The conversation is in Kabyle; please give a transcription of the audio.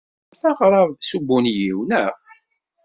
Tewtemt aɣrab s ubunyiw, naɣ?